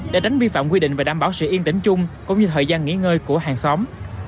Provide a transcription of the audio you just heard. để đánh vi phạm quy định về đảm bảo sự yên tĩnh chung cũng như thời gian nghỉ ngơi của hàng xóm